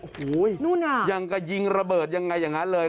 โอ้โหยังกระยิงระเบิดยังไงอย่างนั้นเลย